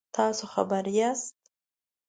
تاسو خبر یاست؟